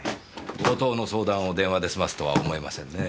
強盗の相談を電話で済ますとは思えませんねえ。